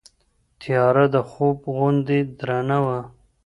تیاره د خوب غوندې درنه وه.